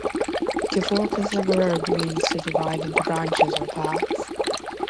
To fork as a verb means to divide into branches or paths.